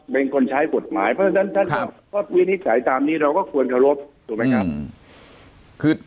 เป็นคนใช้กฎหมายเพราะฉะนั้นท่านก็วินิจฉัยตามนี้เราก็ควรเคารพถูกไหมครับ